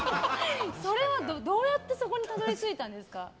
それはどうやってそこにたどり着いたんですか？